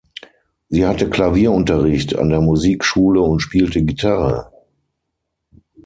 Sie hatte Klavierunterricht an der Musikschule und spielte Gitarre.